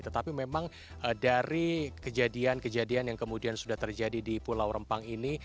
tetapi memang dari kejadian kejadian yang kemudian sudah terjadi di pulau rempang ini